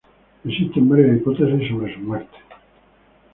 Existen varias hipótesis sobre su muerte.